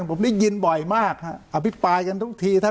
ผมได้ยินบ่อยมากอภิปรายกันทุกที